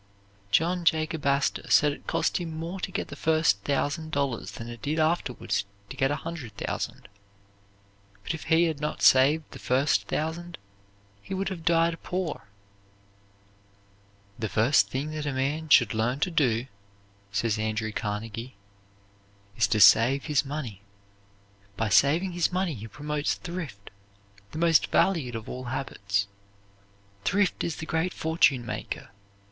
John Jacob Astor said it cost him more to get the first thousand dollars than it did afterwards to get a hundred thousand; but if he had not saved the first thousand, he would have died poor. "The first thing that a man should learn to do," says Andrew Carnegie, "is to save his money. By saving his money he promotes thrift, the most valued of all habits. Thrift is the great fortune maker.